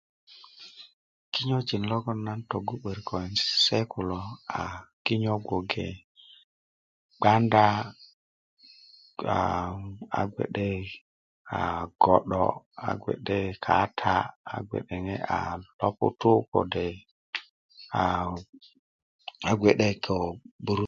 kinyöiji logoŋ naa tögu 'börik ko se kulo, a kinyöjin gboŋge gbanda, a gbe'de a go'do, a gbe'de kaata, a gbe'de a loputu', a gbe'de a burusut.